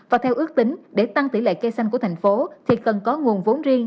và theo ước tính để tăng tỷ lệ cây xanh của thành phố thì cần có nguồn vốn riêng